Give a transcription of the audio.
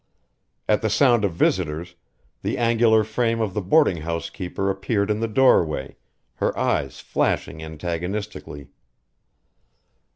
At the sound of visitors, the angular frame of the boarding house keeper appeared in the doorway, her eyes flashing antagonistically.